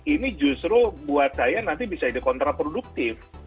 ini justru buat saya nanti bisa jadi kontraproduktif